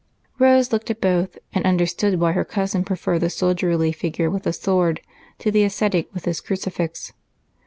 Rose looked at both and understood why her cousin preferred the soldierly figure with the sword to the ascetic with his crucifix.